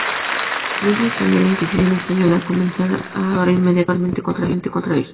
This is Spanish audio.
No es de extrañar que la Inquisición española comenzara actuar inmediatamente contra ellos.